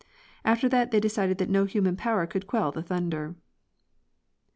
After that they decided that no human power could quell the thunder.